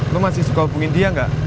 lu masih suka hubungin dia ga